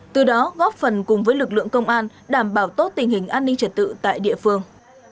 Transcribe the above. từ đó góp phần cùng với lực lượng công an đảm bảo tốt tình hình an ninh trật tự tại địa phương